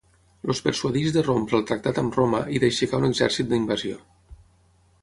Els persuadeix de rompre el tractat amb Roma i d'aixecar un exèrcit d'invasió.